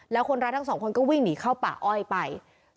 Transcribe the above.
แล้วคนร้ายทั้งสองคนก็วิ่งหนีเข้าป่าอ้อยไป